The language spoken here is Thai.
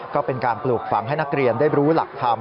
ก็เป็นการปลูกฝังให้นักเรียนได้รู้หลักธรรม